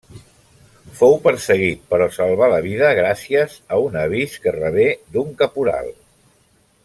Fou perseguit però salvà la vida gràcies a un avís que rebé d'un caporal.